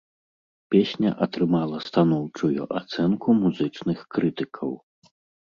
Песня атрымала станоўчую ацэнку музычных крытыкаў.